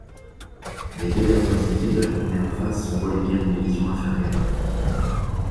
Les deux dernières équipes de la première phase sont reléguées en division inférieure.